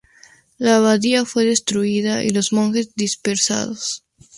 La abadía fue destruida y los monjes dispersados.